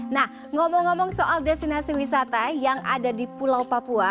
nah ngomong ngomong soal destinasi wisata yang ada di pulau papua